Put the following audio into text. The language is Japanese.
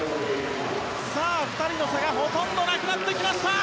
２人の差がほとんどなくなってきました。